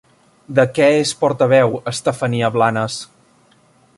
De què és portaveu Estefania Blanes?